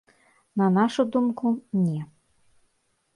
На нашу думку, не.